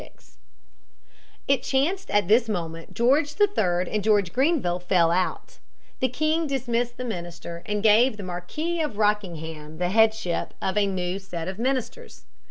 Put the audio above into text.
Repeal of the Stamp Act, 1766. It chanced that at this moment George III and George Grenville fell out. The king dismissed the minister, and gave the Marquis of Rockingham the headship of a new set of ministers.